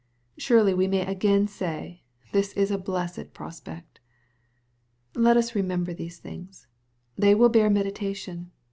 Surely, we may again say, this is a blessed prospect. Let us remember these things. They will bear medi« tation.